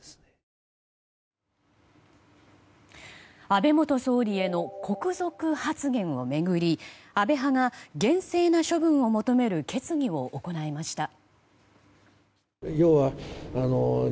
安倍元総理への国賊発言を巡り安倍派が厳正な処分を求める決議を行いました。